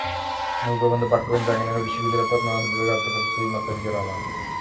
মূল প্রবন্ধ পাঠ করবেন জাহাঙ্গীরনগর বিশ্ববিদ্যালয়ের প্রত্নতত্ত্ব বিভাগের অধ্যাপক সুফি মোস্তাফিজুর রহমান।